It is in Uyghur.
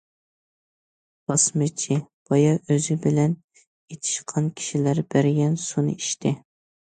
« باسمىچى» بايا ئۆزى بىلەن ئېتىشقان كىشىلەر بەرگەن سۇنى ئىچتى.